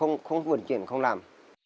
có lẽ cũng không vận chuyển không làm